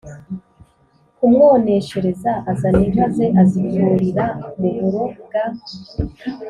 ku mwoneshereza, azana inka ze, azitur ira mu buro bwa